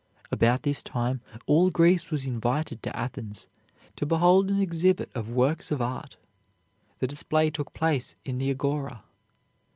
About this time all Greece was invited to Athens to behold an exhibit of works of art. The display took place in the Agora.